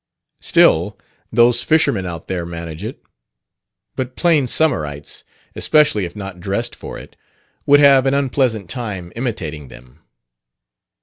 Still, those fishermen out there manage it. But plain summerites, especially if not dressed for it, would have an unpleasant time imitating them."